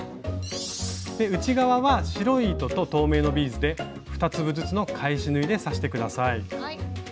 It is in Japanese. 内側は白い糸と透明のビーズで２粒ずつの返し縫いで刺して下さい。